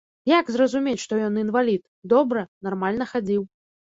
Як зразумець, што ён інвалід, добра, нармальна хадзіў.